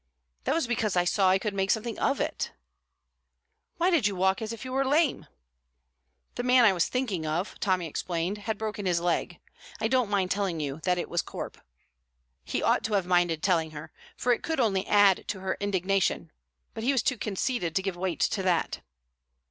"That was because I saw I could make something of it." "Why did you walk as if you were lame?" "The man I was thinking of," Tommy explained, "had broken his leg. I don't mind telling you that it was Corp." He ought to have minded telling her, for it could only add to her indignation; but he was too conceited to give weight to that.